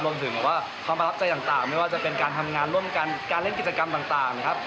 รวมถึงว่าความประทับใจต่างไม่ว่าจะเป็นการทำงานร่วมกันการเล่นกิจกรรมต่างนะครับ